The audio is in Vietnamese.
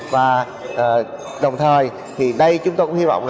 và đồng thời thì đây chúng tôi cũng hy vọng là